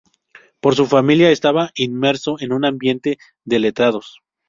Por su familia estaba inmerso en un ambiente de letrados.